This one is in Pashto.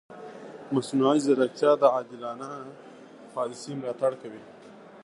مصنوعي ځیرکتیا د عادلانه پالیسي ملاتړ کوي.